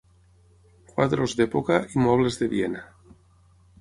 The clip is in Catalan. ...quadros d'època i mobles de Viena